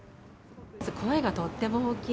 声がとても大きい。